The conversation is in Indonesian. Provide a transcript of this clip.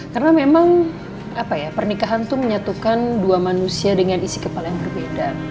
karena memang apa ya pernikahan tuh menyatukan dua manusia dengan isi kepala yang berbeda